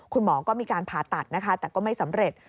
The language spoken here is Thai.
คุณหมอก็มีการผ่าตัดนะคะแต่ก็ไม่สำเร็จ